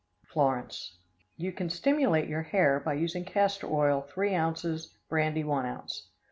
Florence. You can stimulate your hair by using castor oil three ounces, brandy one ounce.